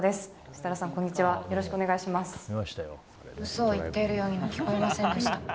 嘘を言っているようには聞こえませんでした。